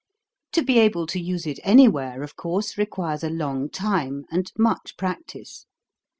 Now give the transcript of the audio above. To be able to use it anywhere, of course, requires a long time and much practice.